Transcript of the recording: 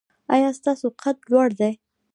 ایا ستاسو قد لوړ دی؟